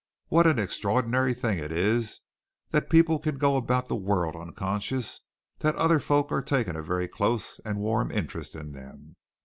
"What an extraordinary thing it is that people can go about the world unconscious that other folks are taking a very close and warm interest in them!